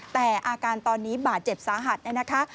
แต่อาการตอนนี้บาดเจ็บสาหัสเนี่ยนะคะ